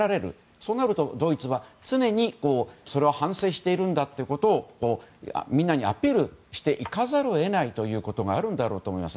そうなるとドイツは常に反省しているんだということをみんなにアピールしていかざるを得ないこともあると思います。